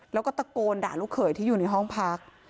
แล้วก็ตะโกนด่าลูกเขยที่อยู่ในห้องพัก